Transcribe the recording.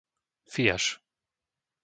Fijaš